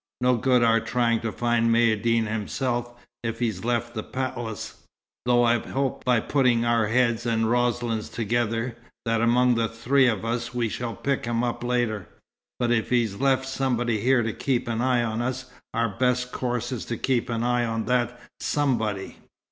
No good our trying to find Maïeddine himself, if he's left the palace; though I hope, by putting our heads and Roslin's together, that among the three of us we shall pick him up later. But if he's left somebody here to keep an eye on us, our best course is to keep an eye on that somebody.